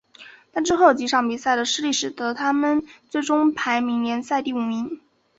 但之后几场比赛的失利使得他们最终排名联赛第五名。